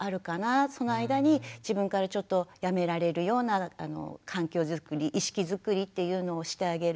その間に自分からちょっとやめられるような環境づくり意識づくりっていうのをしてあげる。